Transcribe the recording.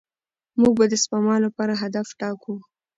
موږ به د سپما لپاره هدف ټاکو.